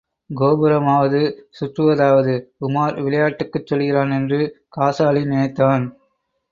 கோபுரமாவது, சுற்றுவதாவது உமார் விளையாட்டுக்குச் சொல்லுகிறான் என்று காசாலி நினைத்தான்.